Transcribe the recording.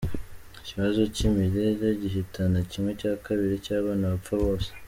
Ikibazo cy’imirire gihitana kimwe cya kabiri cy’abana bapfa bose.